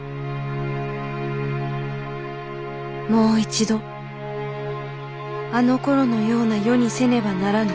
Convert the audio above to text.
「もう一度あのころのような世にせねばならぬ。